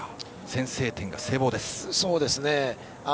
先制点が聖望です。